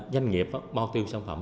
doanh nghiệp bao tiêu sản phẩm